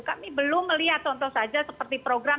kami belum melihat contoh saja seperti program